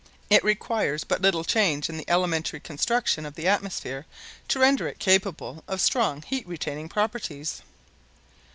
It requires but little change in the elementary construction of the atmosphere to render it capable of strong heat retaining properties.